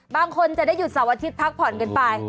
บางคนจะได้หยุดเสาร์อาทิตย์พักผ่อนกันไป